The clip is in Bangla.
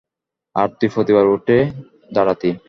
আর তুই প্রতিবার উঠে দাঁড়াতি।